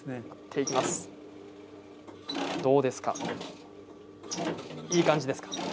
いい感じですか。